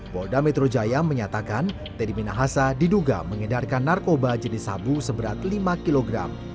polda metro jaya menyatakan teddy minahasa diduga mengedarkan narkoba jenis sabu seberat lima kg